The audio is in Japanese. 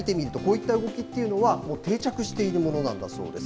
実は、世界を見てみると、こういった動きっていうのは、定着しているものなんだそうです。